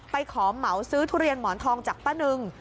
ขอเหมาซื้อทุเรียนหมอนทองจากป้านึง